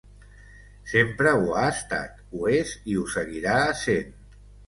Sempre ho ha estat, ho és i ho seguirà essent.